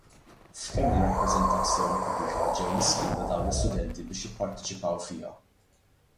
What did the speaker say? F'kemm-il rappreżentazzjoni pubblika ġew mistiedna dawn l-istudenti biex jippartecipaw fiha?